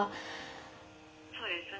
そうですね。